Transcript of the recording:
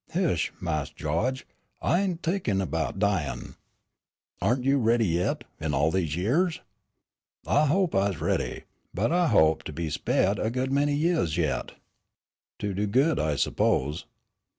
"Heish, Mas' Gawge. I ain' t'inkin' 'bout dyin'." "Aren't you ready yet, in all these years?" "I hope I's ready, but I hope to be spaihed a good many yeahs yit." "To do good, I suppose?"